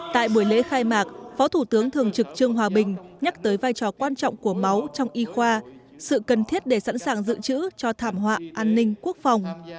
tại buổi lễ khai mạc phó thủ tướng thường trực trương hòa bình nhắc tới vai trò quan trọng của máu trong y khoa sự cần thiết để sẵn sàng dự trữ cho thảm họa an ninh quốc phòng